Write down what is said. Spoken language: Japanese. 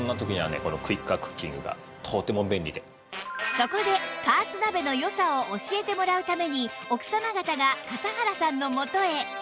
そこで加圧鍋の良さを教えてもらうために奥様方が笠原さんの元へ